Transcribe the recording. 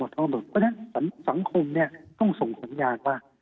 เพราะฉะนั้นสังคมต้องส่งสัญญาณว่า